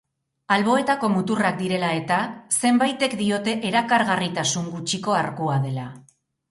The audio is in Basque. Alboetako muturrak direla eta, zenbaitek diote erakargarritasun gutxiko arkua dela.